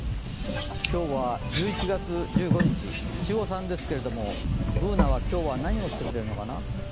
今日は１１月１５日、七五三ですけれどもＢｏｏｎａは今日は何をしてくれるのかな？